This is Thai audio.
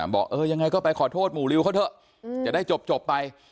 บอกเออยังไงก็ไปขอโทษหมู่ริวเขาเถอะจะได้จบไป